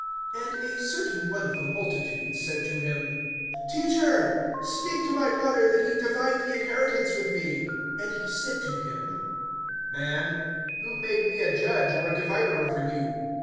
(13)And a certain one of the multitude said to him: Teacher, speak to my brother, that he divide the inheritance with me. (14)And he said to him: Man, who made me a judge or a divider over you?